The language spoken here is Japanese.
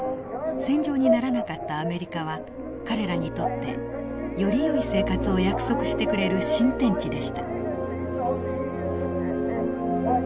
戦場にならなかったアメリカは彼らにとってよりよい生活を約束してくれる新天地でした。